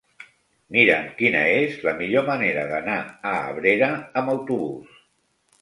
Mira'm quina és la millor manera d'anar a Abrera amb autobús.